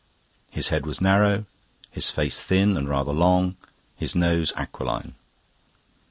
His head was narrow, his face thin and rather long, his nose aquiline.